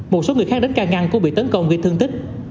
một số người khác đến ca ngăn cũng bị tấn công gây thương tích